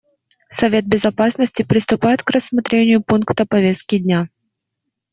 Совет Безопасности приступает к рассмотрению пункта повестки дня.